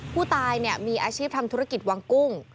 ผู้ตายมีอาชีพทำธุรกิจวางกุ้ง